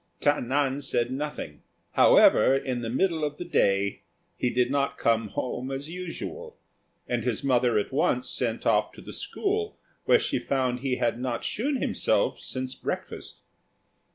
Ta nan said nothing; however, in the middle of the day he did not come home as usual, and his mother at once sent off to the school, where she found he had not shewn himself since breakfast.